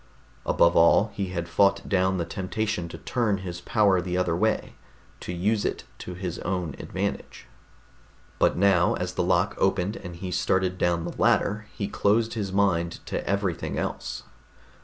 Above all, he had fought down the temptation to turn his power the other way, to use it to his own advantage. But now, as the lock opened and he started down the ladder, he closed his mind to everything else.